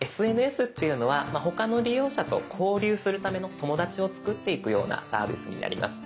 ＳＮＳっていうのは他の利用者と交流するための友だちを作っていくようなサービスになります。